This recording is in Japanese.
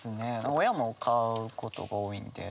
親も買うことが多いんで。